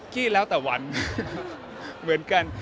ที่แล้วแต่วันเหมือนกัน